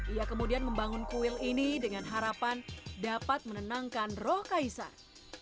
ia kemudian membangun kuil ini dengan harapan dapat menenangkan roh kaisar